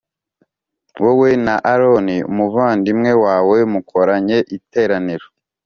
wowe na Aroni umuvandimwe wawe mukoranye iteraniro